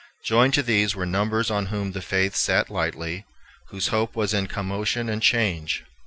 Joined to these were numbers on whom the faith sat lightly, whose hope was in commotion and change.